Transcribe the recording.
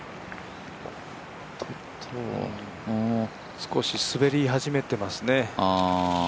少し滑り始めてますね。